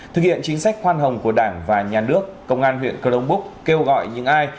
thực hiện chính sách khoan hồng của đảng và nhà nước công an huyện cơ đông búc kêu gọi những ai